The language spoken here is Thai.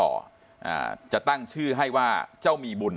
อ่าจะตั้งชื่อให้ว่าเจ้ามีบุญ